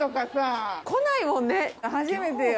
初めてや。